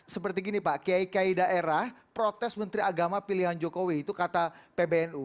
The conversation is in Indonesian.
seperti gini pak kiai kiai daerah protes menteri agama pilihan jokowi itu kata pbnu